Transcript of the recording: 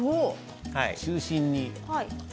中心に？